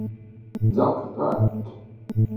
Zack Wright